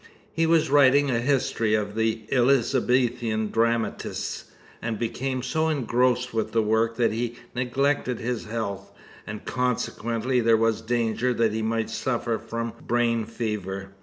He was writing a history of the Elizabethan dramatists, and became so engrossed with the work that he neglected his health, and consequently there was danger that he might suffer from brain fever.